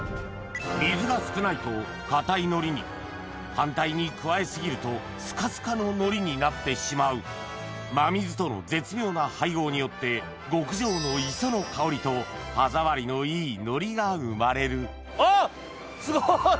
水が少ないと硬い海苔に反対に加え過ぎるとスカスカの海苔になってしまう真水との絶妙な配合によって極上の磯の香りと歯触りのいい海苔が生まれるあっすごい！